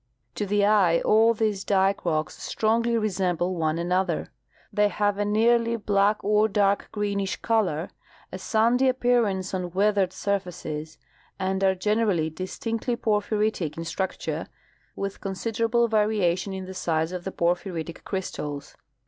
To the eye all these dike rocks strongly re.semlile one another. They have a nearly black or dark greenish color, a sandy aj^pearance on weathered surfaces, and are generally distinctly j)orphyritic in structure, with considerable variation in the size of the porphyritic crystals.